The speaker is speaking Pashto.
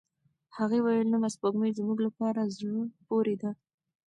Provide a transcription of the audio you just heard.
هغې وویل، نیمه سپوږمۍ زموږ لپاره زړه پورې ده.